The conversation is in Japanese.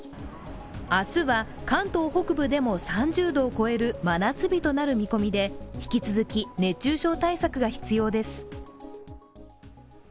明日は関東北部でも３０度を超える真夏日となる見込みで引き続き熱中対策が必要です。